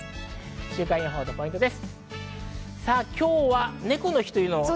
週間予報とポイントです。